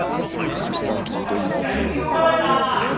いやさすがとしか言いようがないな。